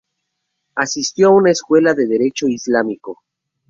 Asistió a una escuela de derecho islámico.